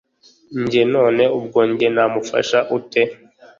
Njye none ubwo njye namufasha ute